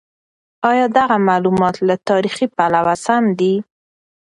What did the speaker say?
ایا دغه مالومات له تاریخي پلوه سم دي؟